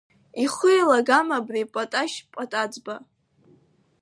Ихы еилагама абри Паташь Патаӡба!